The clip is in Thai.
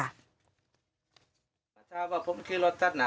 แกบอกผมมีคลีนรถตัดหน้า